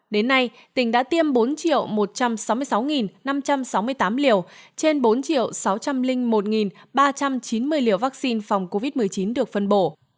đến nay tỉnh đã tiêm bốn một trăm sáu mươi sáu năm trăm sáu mươi tám liều trên bốn sáu trăm linh một ba trăm chín mươi liều vaccine phòng covid một mươi chín được phân bổ